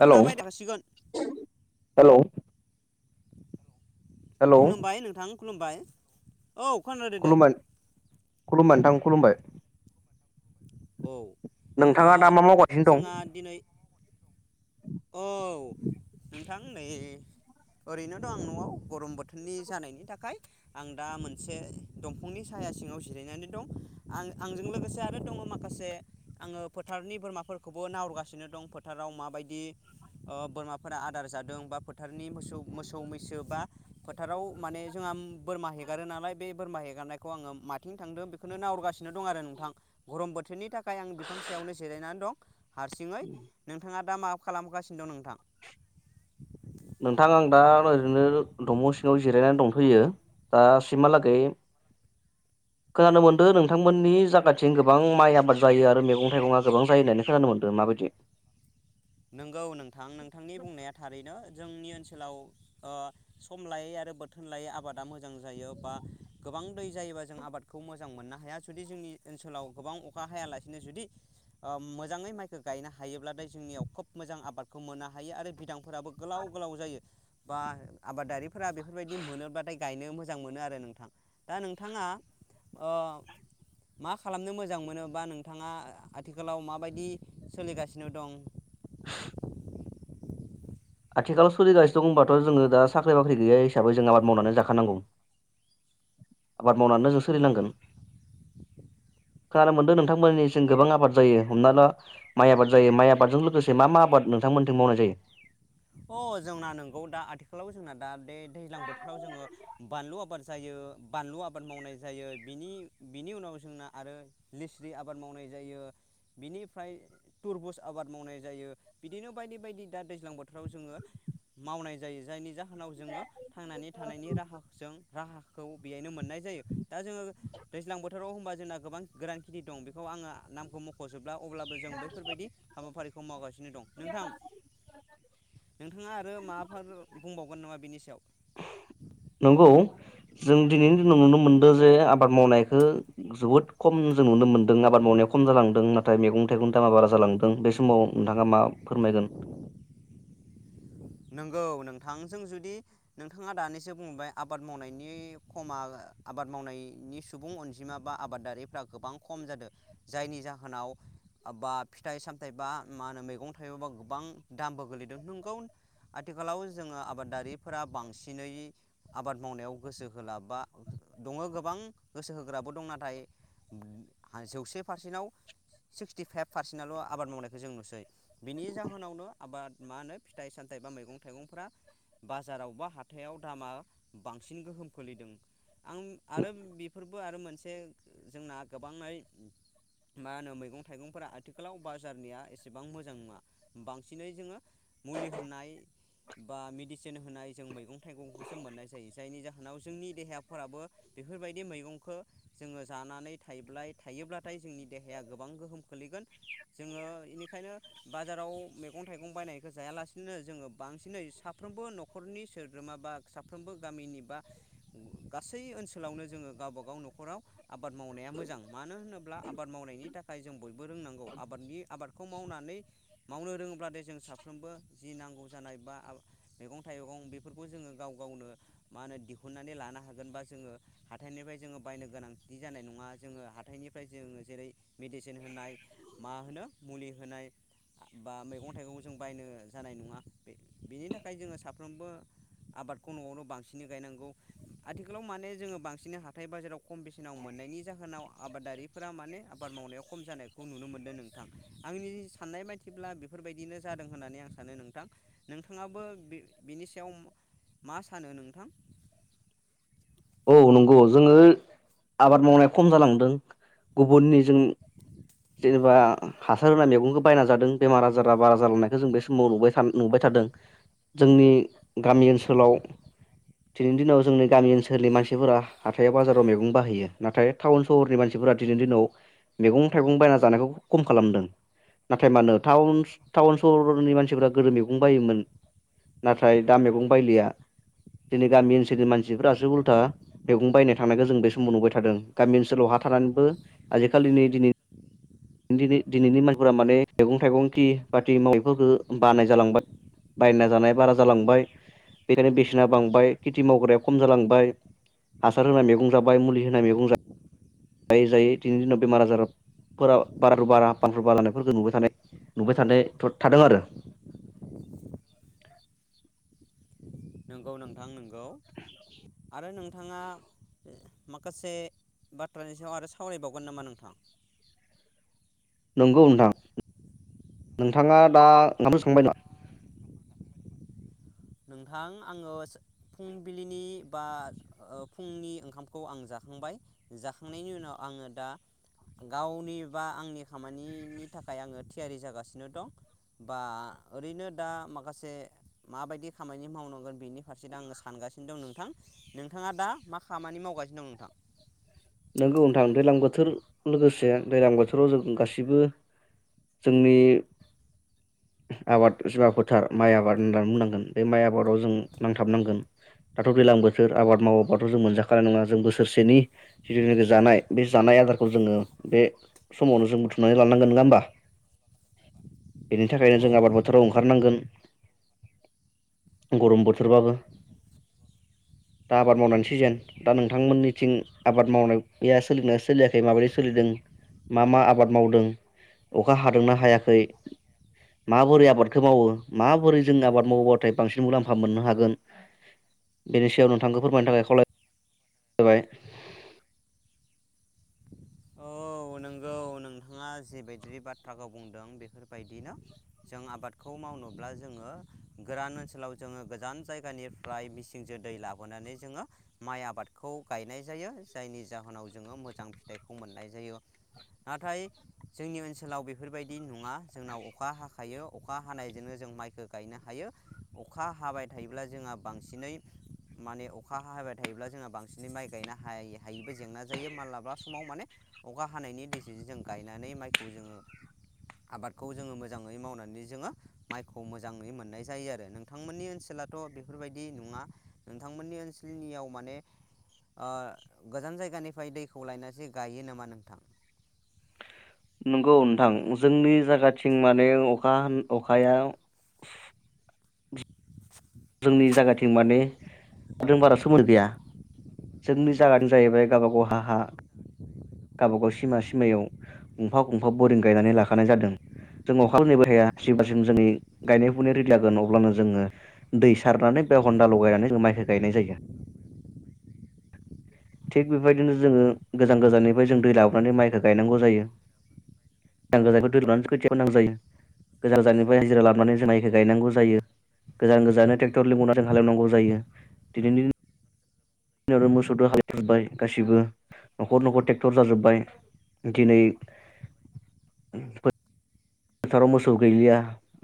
Hello खोनाबाय थासिगोन hello hello खुलुमबाय नोंथां खलुमबाय खुलुमबाय खुलुमबाय नोंथां। खलुमबाय औ ओ नोंथाङा दा मा मावगासिनो दं? जोंहा दिनै औ नोंथां नै ओरैनो दं आं न'आव गरम बोथोरनि जानायनि थाखाय आं दा मोनसे दंफांनि साया सिङाव जिरायनानै दं आं आंजों लोगोसे आरो दङ माखासे आङो फोथारनि बोरमाफोरखौबो नाहगासिनो दं फोथाराव माबायदि ओ बोरमाफोरा आदार जादों बा फोथारनि मोसौ मोसौ मैसो बा फोथाराव माने जोंहा बोरमा हेगारो नालाय बे बोरमा हेगारनायखौ आङो माथिं थांदों बेखौनो नाहरगासिनो दं आरो नोंथां गरम बोथोरनि थाख खाय आं बिफां सायावनो जिरायनानै दं हारसिङै नोंथाङा दा मा खालामगासिनो दं नोंथां नोंथां आं दा ओरैनो दंफां' सिङाव जिरायनानै दंथैयो दासिमहालागै खोनानो मोनदों नोंथांमोननि जायगाथिं गोबां माइ आबाद जायो आरो मैगं थाइगंआ गोबां जायो होननानै खोनानो मोनदों माबायदि नंगौ नोंथां नोंथांनि बुंनाया थारैनो जोंनि ओनोल ओनसोलाव ओ सम लायै आरो बोथोन लायै आबादा मोजां जायो बा गोबां दै जायोबा जों आबादखौ मोजां मोननो हाया जुदि जोंनि ओनसोलाव गोबां अखा हायालासिनो जुदि ओ मोजाङै माइखौ गायनो हायोब्लाथाय जोंनियाव खोब मोजां आबादखौ मोननो हायो आरो बिदांफोराबो गोलाव गोलाव जायो बा आबादारिफोरा बेफोरबायदि मोनोब्लाथाय गायनो मोजां मोनो आरो नोंथां दा नोंथाङा ओ मा खालामनो मोजां मोनो बा नोंथाङा आथिखालाव माबायदि सोलिगासिनो दं [inaudible] आथिखालाव सोलिगासिनो दं होनबाथ' जोङो दा साख्रि बाख्रि गैया हिसाबै जों आबाद मावनानै जाखानांगौ आबाद मावनानै जों सोलिनांगोन खोनानो मोनदों नोंथांमोननिसिम गोबां आबाद जायो हमना ला माइ आबाद जायो माइ आबादजों लोगोसे मा मा आबाद नोंथांमोननिथिं मावनाय जायो अ जोंना नोंगौ दा आथिखालाव जोंना दा बे दैज्लां बोथोराव जोङो बानलु आबाद जायो बानलु आबाद मावनाय जायो बिनि बिनि उनाव जोंना आरो लिस्रि आबाद मावनाय जायो बिनिफ्राय तुरबुस आबाद मावनाय जायो बिदिनो बायदि बायदि दा दैज्लां बोथोर फ्राव जोङो मावनाय जायो जायनि जा जोङो थांनानै थानायनि राहाखौजों राहाखौ बेयायनो मोन मोननाय जायो दा जोङो दैज्लां बोथोराव होनबा जोंना गोबां गोरान खिथि दं बेखौ आङो नामखौ मख'जोब ब्ला अब्लाबो जों बैफोरबायदि हाबाफारिखौ मावगासिनो दं नोंथां नोंथाङा आरो माफोर बुंबावगोन नामा बिनि सायाव नंगौ जों दिनैनि दिनाव नुनो मोनदों जे आबाद मावनायखो जोबोद खम जों नुनो मोनदों आबाद मावनाया खम जालांदों नाथाय मैगं थाइगं दामा बारा जालांदों बे समाव नोंथाङा मा फोरमायगोन नोंगौ नोंथां जों जुदि नोंथाङा दानिसो बुंबाय आबाद मावनायनि खमा आबाद मावनायनि सुबुं अनजिमा बा आबादारिफ्रा गोबां खम जादों जायनि जाहोनाव बा फिथाइ सामथायाइ बा मा होनो मैगं थाइबाबा गोबां दामबो गोलैदों नोंगौ आथिखालाव जोङो आबादारिफोरा बांसिनै आबाद मावनायाव गोसो होलाबा दङो गोबां गोसो होग्राबो दं नाथाय जौसे पारसेन्टाव सिक्सटि फाइभ पारसेन्टआल' आबाद मावनायखौ जों नुसै बिनि जाहोनावनो आबाद मा होनो फिथाइ साम थाय बा मैगं थाइंफोरा बाजाराव बा हाथायाव दामा बांसिन गोहोम खोलैदों आं आरो बेफोरबो आरो मोनसे जोंना गोबाङै मा होनो मैगं थाइगंफोरा आथिखालाव बाजारनिया एसेबां मोजां नङा बांसिनै जोङो मुलि होनाय बा मेडिसिन होनाय जों मैगं थाइगंखौसो मोननाय जायो जायनि जाहोनाव जोंनि देहाफोराबो बेफोरबायदि मैगंखौ जोङो जानानै थायो थायोब्लाथाय जोंनि देहाया गोबां गोहोम खोलैगोन जोङो बेनिखायनो बाजाराव मैगं थाइगं बायनायखो जायालासि दिनो जोङो बांसिनै साफ्रोमबो न'खरनि सोद्रोमा बा साफ्रोमबो गामिनि बा गासै ओनसोलावनो जोङो गावबा गाव न'खराव आबाद मावनाया मोजां मानो होनोब्ला आबाद मावनायनि थाखाय जों बयबो रोंनांगौ आबादनि आबादखौ मावनानै मावनो रोङोब्लाथाय जों साफ्रोमबो जि नांगौ जानाय बा आ मैगं थाइगं बेफोरखौ जोङो गाव गावनो मा होनो दिहुननानै लानो हागोन बा जोङो हााइनिफ्राय जोङो बायनो गोनांथि जानाय नङा जोङो हाथाइनिफ्राय जोङो जेरै मेदिसिन होनाय मा होनो मुलि होनाय बा मैगं थाइगं जों बायनो जानाय नङा बे बेनि थाखाय जोङो साफ्रोमबो आबादखौ न'आवनो बांसिनै गायनांगौ आथिखालाव माने जोङो बांसिनै हाथाय बाजाराव खम बेसेनाव मोननायनि जाहोनाव आबादारिफोरा माने आबाद मावनायाव खम जानायखौ नुनो मोन्दों नोंथां आंनि साननाय मथिब्ला बेफोरबायदिनो जादों होननानै आं नोंथां नोंथाङाबो बि बिनि सायाव मा सानो नोंथां औ नंगौ जोङो आबाद मावनाया खम जालां दों गुबुननि जों जेनेबा हासार होनाय मैगंखौ बायना जादों बेमार आजारा बारा जालांनायखौ जों बे समाव नुबायन नुबाय थादों जोंनि गामि ओनसोलाव दिनैनि दिनाव जोंनि गामि ओनसोलनि मानसिफोरा हाथायाव बाजाराव मैगं बाहैयो नाथाय टाउन सहरनि मानफोरा दिनैनि दिनाव मैगं थाइगं बायना जानायखौ खम खालामदों नाथाय माानो टाउन टाउन सहरनि मानसिफोरा गोदो मैगं बायोमोन नाथाय दा मैगं बायलिया दिनै गामि ओनसोलनि मानसिफ्रासो उल्था मैगं बायनो थांनायखौ जों बे समाव नुबाय थादों गामि ओस सोलाव हा थानानैबो आजिखालिनि दिनि दिन दिनैनि मानसिफोरा माने मैगं थाइगं खि बाथि मावैफोरफोरखौ बानाय जालांबाय बायना जानाया बारा जालांबाय बेखायनो बेसेना बांबाय खेथि मावग्राया खम जालांबाय हासार होनाय मैगं जाबाय मुलि होनाय मैगं जा जायै जायै दिनैनि दिनाव बेमार आजारफोरा [inaudible] जानायफोरखौ नुबाय थानाय नुबाय थानाय थाथदों आरो नंगौ नोंथां नंगौ आरो नोंथाङा माखासे बाथ्रानि सायाव आरो सावरायबावगोन नामा नोंथां नंगौ नोंथां नोंथाङा दा ओंखामसे सांबाय ना नोंथां आङो फुंबिलिनि बा फुंनि ओंखामखौ आं जाखांबाय जाखांनायनि उनाव आङो दा गावनि बा आंनि खामानिनि थाखाय आङो थियारि जागासिनो दं बा ओरैनो दा माखासे माबायदि खामानि मावनांगोन बेनि फारसे दा आङो सानगासिनो दं नोंथां नोंथाङा दा मा खामानि मावगासिनो दं नोंथां नोंगौ नोंथां दैज्लां बोथोर लोगोसे दैज्लां बोथोराव जों गासिबो जोंनि आबाद जबा फोथार माइ आबाद होननानै बुंनांगोन बे माइ आबादाव जों नांथाबनांगोन दाथ' दैज्लां बोथोर आबाद मावाब्लाथ' जों मोनजाखानाय नङा जों बोसोरसेनि जिथुनाखि जानाय बे जानाय आदारखौ जोङो बे समावनो जों बुथुमनानै लानांगोन नङा होमबा बेनि थाखायनो औ जों आबाद बोथोराव ओंखारनांगोन गरम बोथोरबाबो दा आबाद मावनायनि सिजेन दा नोंथांमोननिथिं आबाद मावनाया सोलिदों ना सोलियाखै माबायदि सोलिदों मा मा आबाद मावदों अखा हादोंना हायाखै माबोरै आबादखो मावो माबोरै जों आबाद मावोबाथाय बांसिन मुलाम्फा मोननो हागोन बेनि सायाव नोंथांखौ फोरमायनो थाखाय खावलाय बाय औ नोंगौ नोंथाङा जिबायदि बाथ्राखौ बुंदों बेफोरबायदिनो जों आबादखौ मावनोब्ला जोङो गोरान ओनसोलाव जोङो गोजान जायगानिफ्राय मिसिंजो दै लाबोनानै जोङो माइ आबादखौ गायनाय जायो जायनि जाहोनाव जोङो मोजां फिथाइखौ खौ मोननाय जायो नाथाय जोंनि ओनसोलाव बेफोरबायदि नङा जोंनाव अखा हाखायो अखा हानायजोंनो जों माइखौ गायनो हायो अखा हाबाय थायोब्ला जोंहा बांसिनै माने अखा हाबाय थायोब्ला जोंहा बांसिनै माइ गायनो हाय हायैबो जेंना जायो मालाबा समाव माने अखा हानायनि दैेजेजों जों गायनानै माइखौ जोङो आबादखौ जोङो मोजाङै मावनानै जोङो माइखौ मोजाङै मोननाय जायो आरो नोंथांमोननि ओनसोलाथ' बेफोरबायदि नङा नोंथांमोननि ओनसोलनियाव माने ओ गोजान जायगानिफ्राय दैखौ लायनानै जे गायो नामा नोंथां नोंगौ नोंथां जोंनि जागाथिं माने अखा अखाया [unintelligible] जोंनि जायगाथिं माने [inaudible] बारा सोमोन्दो गैया जोंनि जायगानो जाहैबाय गावबागाव हा हा गावबागाव सिमा सिमायाव गंफा गंफा बरिं गायनानै लाखानाय जादों जों अखा [inaudible] सिम जोंनि गायनाय फुनाय रिडि जागोन अब्लानो जोङो दै सारनानै बे हन्दा लगायनानै जों माइखौ गायनाय जायो थिग बेबायदिनो जोङो गोजान गोजाननिफ्राय जों दै लाबोनानै माइखौ गायनांगौ जायो गोजान गोजानखौ दै लानै खोथि फोनांगौ जायो गोजान गोजाननिफ्राय हाजिरा लाबोनानै जों माइखौ गायनांगौ जायो गोजान [inaudible] जों हालेवनांगौ जायो दिनैनि मोसौजों [inaudible] गासिबो न'खर न'खर टेक्टर जाजोब्बाय दिनै फोथाराव मोसौ गैलिया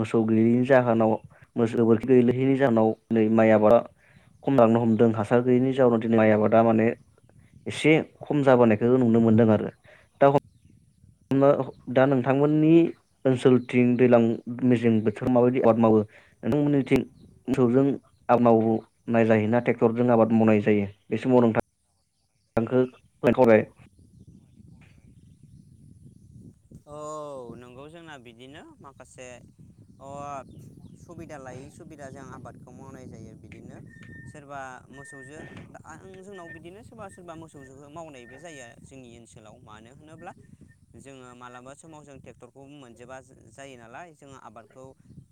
मोसौ गैयैनि जाहोनाव मोसौ गोबोरखि गैलैयैनि जाहोनाव दिनै माइ आबादा खमलांनो हमदों हासार गैयिनि जाहोनाव दिनै माइ आबादा माने एसे खम जाबोनायखौ नुनो मोनदों आरो दा दा नोंथांमोननि ओनसोलथिं दैलां मेसें बोथोर माबायदि आबाद मावो नोंथांमोननिथिं मोसौजों आबाद मावनाय जायो ना ट्रेक्टरजों आबाद मावनाय जायो बे समाव नोंथां [inaudible] औ नोंगौ जोंना बिदिनो माखासे अ सुबिदा लायै सुबिदा जों आबाद खौ मावनाय जायो बिदिनो सोरबा मोसौजो दा आं जोंनाव बिदिनो सोरबा सोरबा मोसौ जोहो मावनायबो जायो जोंनि ओनसोलाव मानो होनोब्ला जोङो मालाबा समाव जों टेक्टरखौ मोनजोबा जायो नालाय जोङो आबादखौ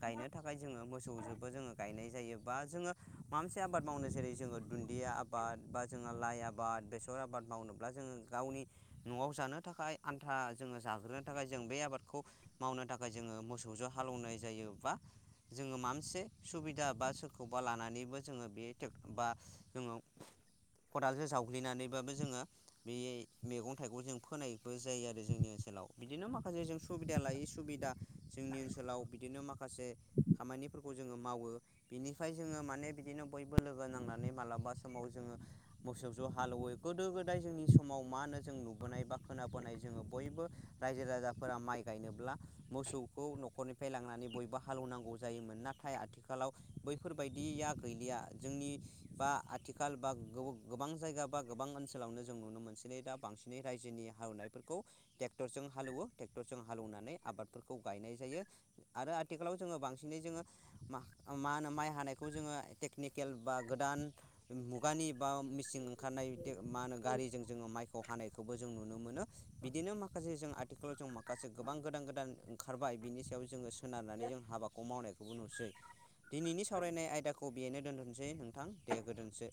गायनो थाखाय जोङो मोसौजोंबो जोङो गायनाय जायो बा जोङो माबा मोनसे आबाद मावनो जेरै जोङो दुन्दिया आबाद बा जोङो लाइ आबाद बेसर आबाद मावनोब्ला जोङो गावनि न'आव जानो थाखाय आन्था जोङो जाग्रोनो थाखाय जों बे आबादखौ मावनो थाखाय जोङो मोसौजों हालेवनाय जायो बा जोङो माबा मोनसे सुबिदा बा सोरखौबा लानानैबो जोङो बेे टेक बा जोङो खदालजों जावग्लिनानैबाबो जोङो बे मैगं थाइगं जों फोनायबो जायो आरो जोंनि ओनसोलाव बिदिनो माखासे जों सुबिदा लायै सुबिदा जोंनि ओनसोलाव बिदिनो माखासे खामानिफोरखौ जोङो मावो बिनिफ्राय जोङो माने बिदिनो बयबो लोगो नांनानै मालाबा समाव जोङो मोसौ ज' हालौवो गोदो गोदाय जोंनि समाव मा होनो जों नुबोनाय बा खोनाबोनाय जोङो बयबो रायजो राजाफोरा माइ गायनोब्ला मोसौखौ न'खरनिफ्राय लांनानै बयबो हालेवनांगौ जायोमोन नाथाय आथिखालाव बैफोरबायदिया गैलिया जोंनि बा आथिखाल बा गोबां जायगा बा गोबां ओनसोलावनो जों नुनो मोनसै दा बांसिनै रायजोनि हालेवनायफोरखौ दे ट्रेक्टरजों हालौवो ट्रेक्टरजों हालेवनानै आबादफोरखौ गायनाय जायो आरो आथिखालाव जोङो बांसिनै जोङो मा होनो माइ हानायखौ जोङो टेकनिकेल बा गोदान मुगानि बा मेचिन ओंखारनाय मा होनो गारिजों जोङो माइखौ हानायखौबो जों नुनो मोनो बिदिनो माखासे जों आथिखालाव जों माखासे गोबां गोदान गोदान ओंखारबाय बिनि सायाव जोङो सोनारनानै जों हाबाखौ माव मावनायखौबो नुसै दिनैनि सावरायनाय आयदाखौ बबियैनो दोनथ'सै नोंथां दे गोदोनसै